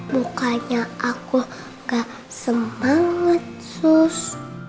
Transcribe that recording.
mukanya aku gak semangat sus